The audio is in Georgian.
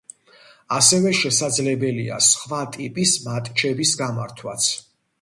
ასევე შესაძლებელია სხვა ტიპის მატჩების გამართვაც.